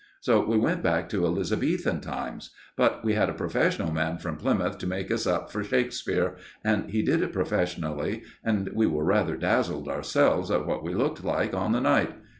So we went back to Elizabethan times. But we had a professional man from Plymouth to make us up for Shakespeare, and he did it professionally, and we were rather dazzled ourselves at what we looked like on the night.